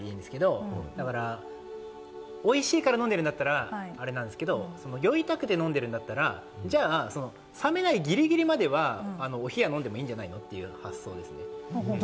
おいしいから飲んでるんだったらあれなんですけれども、酔いたくて飲んでるんだったら、醒めないギリギリまではお冷やのでもいいんじゃないのという発想ですね。